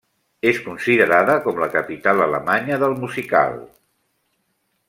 És considerada com la capital alemanya del musical.